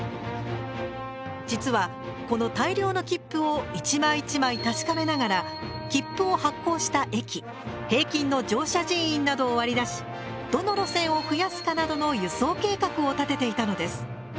実はこの大量の切符を１枚１枚確かめながら切符を発行した駅平均の乗車人員などを割り出しどの路線を増やすかなどの輸送計画を立てていたのです。